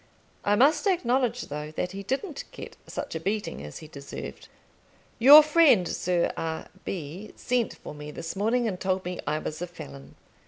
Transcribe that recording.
I must acknowledge, though, that he didn't get such a beating as he deserved. Your friend Sir R. B. sent for me this morning, and told me I was a felon.